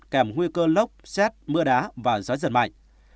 kèm nguy cơ lốc xét mưa đá và gió giật mạnh